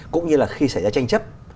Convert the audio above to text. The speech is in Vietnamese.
cũng như là khi xảy ra tranh chấp